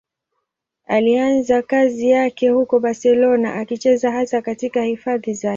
Alianza kazi yake huko Barcelona, akicheza hasa katika hifadhi zake.